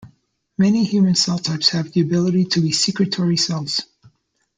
Many human cell types have the ability to be secretory cells.